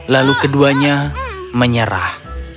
lalu keduanya menyerah